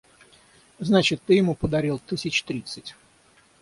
Значит, ты ему подарил тысяч тридцать.